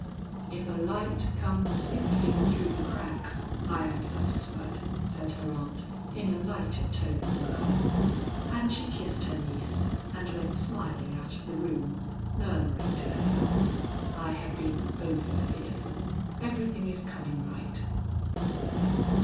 "If a light comes sifting through the cracks, I am satisfied," said her aunt in a lighter tone than common. And she kissed her niece, and went smiling out of the room, murmuring to herself, "I have been over fearful; everything is coming right."